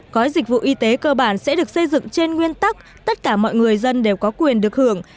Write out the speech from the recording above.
gói dịch vụ y tế cơ bản sẽ được xây dựng trên nguyên tắc tất cả mọi người dân đều có quyền được hưởng